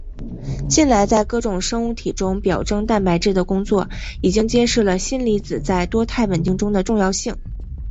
近来在各种生物体中表征蛋白质的工作已经揭示了锌离子在多肽稳定中的重要性。